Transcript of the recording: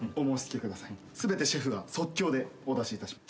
全てシェフが即興でお出しいたします。